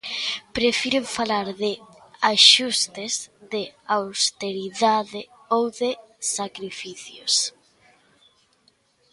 Prefiren falar de "axustes", de "austeridade" ou de "sacrificios".